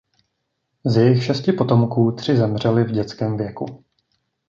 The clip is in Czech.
Z jejich šesti potomků tři zemřeli v dětském věku.